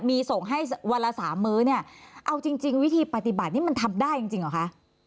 มีส่งให้วันละ๓มื้อเนี่ยเอาจริงวิธีปฏิบัตินี่มันทำได้จริงหรอคะ